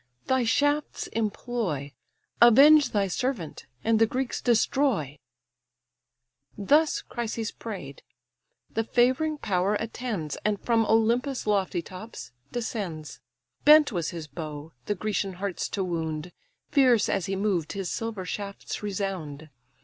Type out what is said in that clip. thy shafts employ, Avenge thy servant, and the Greeks destroy." Thus Chryses pray'd:—the favouring power attends, And from Olympus' lofty tops descends. Bent was his bow, the Grecian hearts to wound; Fierce as he moved, his silver shafts resound.